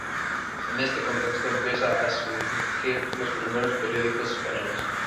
En este contexto empiezan a surgir los primeros periódicos españoles.